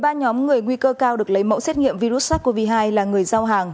ba nhóm người nguy cơ cao được lấy mẫu xét nghiệm virus sars cov hai là người giao hàng